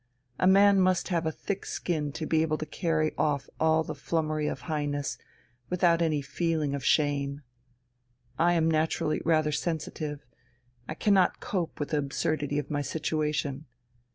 A man must have a thick skin to be able to carry off all the flummery of Highness without any feeling of shame. I am naturally rather sensitive, I cannot cope with the absurdity of my situation.